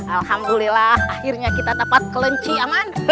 alhamdulillah akhirnya kita dapat kelinci aman